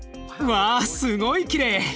わすごいきれい！